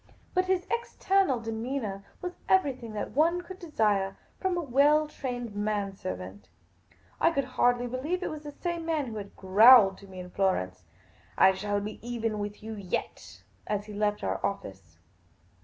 But his external demeanour was everything that one could desire from a well trained man servant ; I could hardly believe it was the same man who had growled to me at Florence, " I shall be even with yow yet," as he left our office.